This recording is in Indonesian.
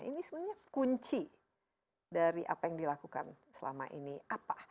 ini sebenarnya kunci dari apa yang dilakukan selama ini apa